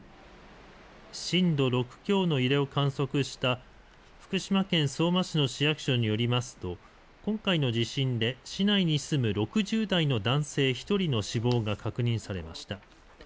震度６強の揺れを観測した福島県相馬市の市役所によりますと今回の地震で市内に住む６０代の男性１人の死亡が確認されました。